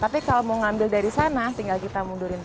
tapi kalau mau ngambil dari sana tinggal kita mundurin